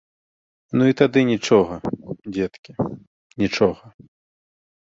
Ну і тады нічога, дзеткі, нічога!